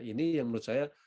ini yang menurut saya